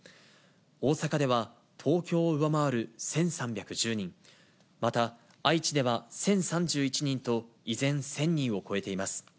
大阪では東京を上回る１３１０人、また愛知では１０３１人と依然、１０００人を超えています。